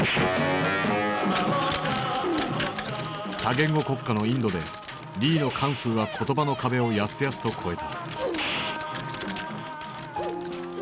多言語国家のインドでリーのカンフーは言葉の壁をやすやすと越えた。